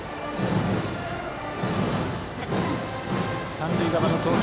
三塁側の投球